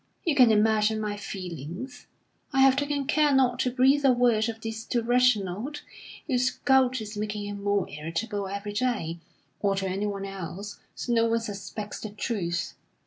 You can imagine my feelings! I have taken care not to breathe a word of this to Reginald, whose gout is making him more irritable every day, or to anyone else. So no one suspects the truth.